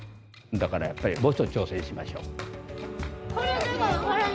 だからやっぱりもうちょい挑戦しましょう。